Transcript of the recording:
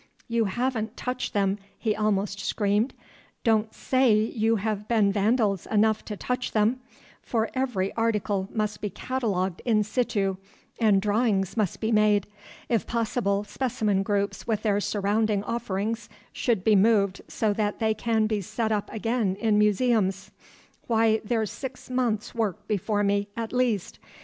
"You haven't touched them," he almost screamed; "don't say you have been vandals enough to touch them, for every article must be catalogued in situ and drawings must be made. If possible, specimen groups with their surrounding offerings should be moved so that they can be set up again in museums. Why, there's six months' work before me, at least.